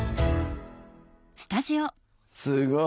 すごい！